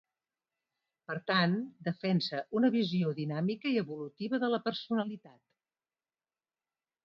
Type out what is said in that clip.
Per tant, defensa una visió dinàmica i evolutiva de la personalitat.